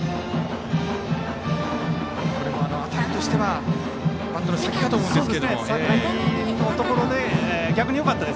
これも点としてはバットの先かと思うんですが。